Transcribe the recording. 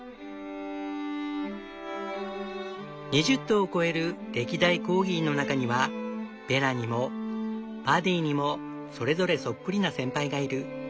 ２０頭を超える歴代コーギーの中にはベラにもパディにもそれぞれそっくりな先輩がいる。